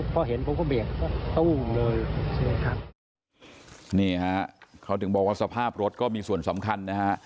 พอเห็นผมก็เบียดตู้เลยใช่ครับนี่ฮะเขาถึงบอกว่าสภาพรถก็มีส่วนสำคัญนะฮะ